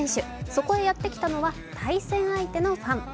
そこへやってきたのは対戦相手のファン。